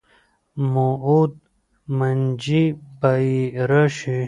موعود منجي به یې راشي.